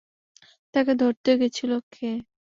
তাকে ধরতে গেছিল কে?